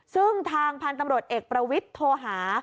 ซึ่งทางพันธุ์ตำรวจเอกประวิทย์โทรหา